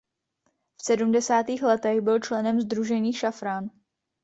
V sedmdesátých letech byl členem sdružení Šafrán.